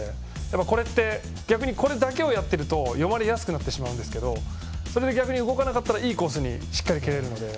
これって、逆にこれだけをやると読まれやすくなりますがそれで逆に動かなかったらいいコースにしっかり蹴れるので。